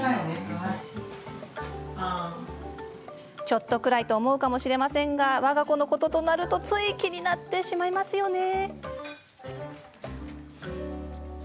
ちょっとくらいと思うかもしれませんがわが子のこととなるとつい気になってしまいますよね。